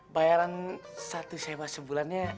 bayaran satu sewa sebulannya